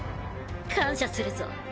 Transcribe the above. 感謝するぞ。